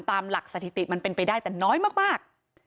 ตามหลักสถิติมันเป็นไปได้แต่น้อยมาก